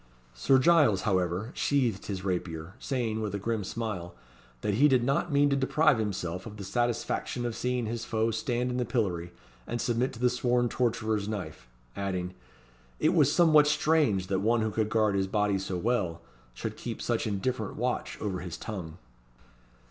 Sir Giles, however, sheathed his rapier, saying, with a grim smile, "that he did not mean to deprive himself of the satisfaction of seeing his foe stand in the pillory, and submit to the sworn torturer's knife;" adding, "it was somewhat strange that one who could guard his body so well, should keep such indifferent watch over his tongue."